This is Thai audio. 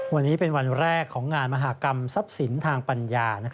วันนี้เป็นวันแรกของงานมหากรรมทรัพย์สินทางปัญญา